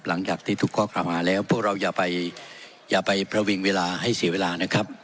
หลังจากที่ทุกข้อกล่าวหาแล้วพวกเราอย่าไปอย่าไปประวิงเวลาให้เสียเวลานะครับ